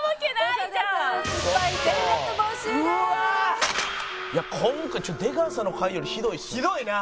いや今回ちょっと出川さんの回よりひどいっすね。